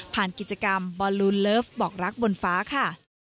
กิจกรรมบอลลูนเลิฟบอกรักบนฟ้าค่ะ